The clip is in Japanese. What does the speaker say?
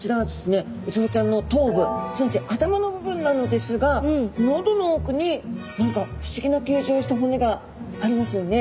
ウツボちゃんの頭部すなわち頭の部分なのですが喉の奥に何か不思議な形状をした骨がありますよね。